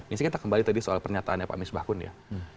ini kita kembali tadi soal pernyataannya pak misbahkun ya